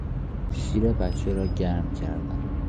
شیر بچه را گرم کردم.